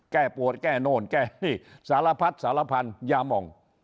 แก้ปวดแก้โน่นแก้นี่สารพัดสารพันธยามอง